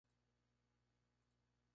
Fabricante: Foster Wheeler.